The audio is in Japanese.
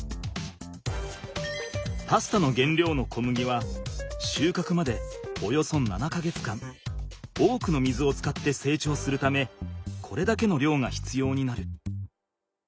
パスタのげんりょうの小麦はしゅうかくまでおよそ７か月間多くの水を使ってせいちょうするためこれだけの量が必要になる。